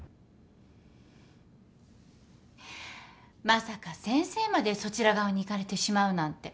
・まさか先生までそちら側に行かれてしまうなんて。